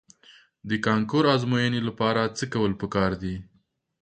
د کانکور د ازموینې لپاره څه کول په کار دي؟